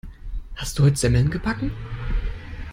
Hast du heute Semmeln gebacken?